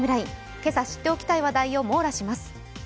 けさ知っておきたい話題を網羅します。